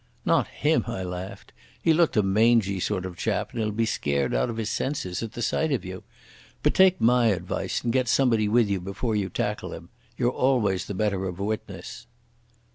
"Not him," I laughed. "He looked a mangy sort of chap, and he'll be scared out of his senses at the sight of you. But take my advice and get somebody with you before you tackle him. You're always the better of a witness."